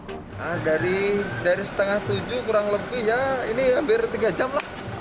nah dari setengah tujuh kurang lebih ya ini hampir tiga jam lah